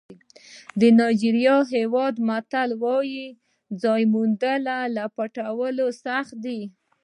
د نایجېریا هېواد متل وایي ځای موندل له پټولو سخت دي.